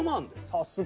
さすが！